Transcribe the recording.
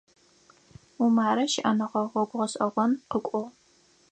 Умарэ щыӀэныгъэ гъогу гъэшӀэгъон къыкӀугъ.